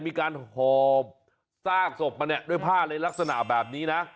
มีการหอบซากศพมาเนี่ยด้วยผ้าในลักษณะแบบนี้นะ